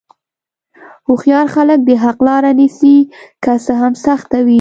هوښیار خلک د حق لاره نیسي، که څه هم سخته وي.